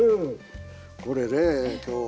これね今日は。